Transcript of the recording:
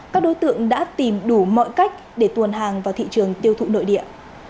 các đối tượng đã tìm đủ mọi cách để tuồn hàng vào thị trường tiêu thụ nội địa